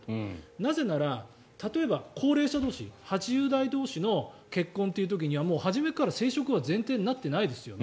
なぜなら例えば、高齢者同士８０代同士の結婚という時にはもう初めから生殖というのは前提になっていないですよね。